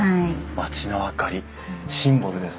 町の明かりシンボルですね。